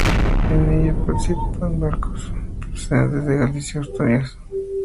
En ella participan barcos procedentes de Galicia, Asturias, Cantabria, País Vasco y Francia.